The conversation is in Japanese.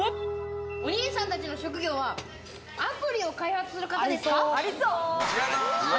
お兄さんたちの職業はアプリを開発する方ですか？